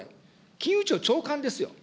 金融庁長官ですよ。